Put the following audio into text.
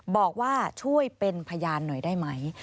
บอกว่าช่วยเป็นพยานหน่อยได้ไหม